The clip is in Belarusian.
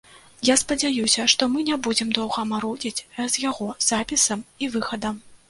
Я спадзяюся, што мы не будзем доўга марудзіць з яго запісам і выхадам.